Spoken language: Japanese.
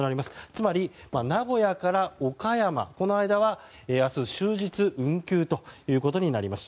つまり名古屋から岡山この間は、明日終日運休となります。